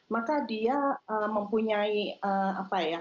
maka dia mempunyai apa ya